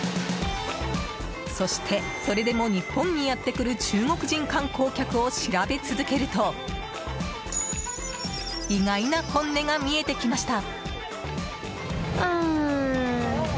そして、それでも日本にやってくる中国人観光客を調べ続けると意外な本音が見えてきました。